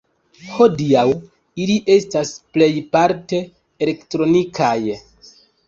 Hodiaŭ ili estas plejparte elektronikaj.